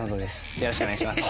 よろしくお願いします。